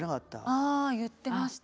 あ言ってました。